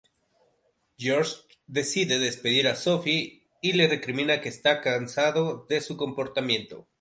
George decide despedir a Sophie y le recrimina que esta cansado de su comportamiento.